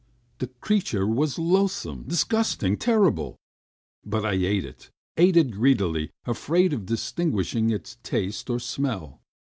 The creature was loathsome, disgusting, terrible, but I ate it, ate it greedily, afraid of distinguishing its taste or smell.